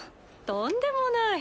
とんでもない。